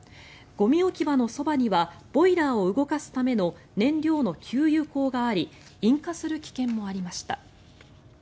ゴミ置き場のそばにはボイラーを動かすための燃料の給油口があり引火する危険もありました。